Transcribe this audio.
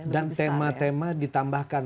dan tema tema ditambahkan